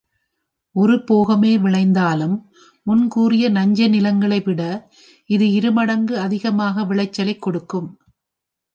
ஒரு போகமே விளைந்தாலும் முன்கூறிய நஞ்சை நிலங்களைவிட இது இருமடங்கு அதிகமாக விளைச்சலைக் கொடுக்கும்.